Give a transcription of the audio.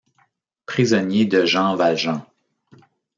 Prisonnier de Jean Valjean.